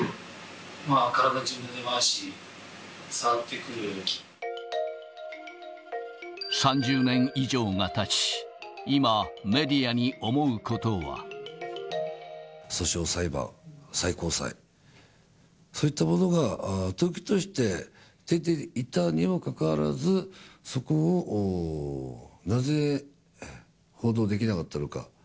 まあ、体中なめ回し、３０年以上がたち、今、訴訟、裁判、最高裁、そういったものが時として出ていたにもかかわらず、そこをなぜ報道できなかったのか。